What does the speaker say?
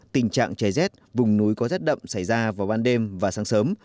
tình trạng trẻ rét vùng núi có rét đậm xảy ra vào ban đêm và sáng sớm